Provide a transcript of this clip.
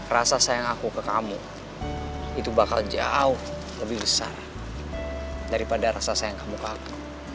rasa sayang aku ke kamu itu bakal jauh lebih besar daripada rasa sayang kamu lakukan